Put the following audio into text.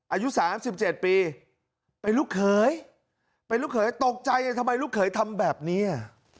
อายุ๓๗ปีเป็นลูกเคยตกใจยังไงทำไมลูกเคยทำแบบเนี่ย